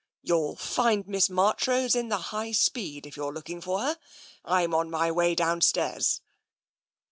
" You'll find Miss Marchrose in the High Speed, if you're looking for her. Tm on my way downstairs.'